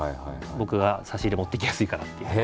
僕が差し入れ持って行きやすいからって。